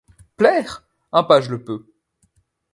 Plaire ! un page le peut.